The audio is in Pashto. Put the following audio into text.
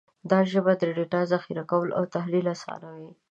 دا ژبه د ډیټا ذخیره کول او تحلیل اسانوي.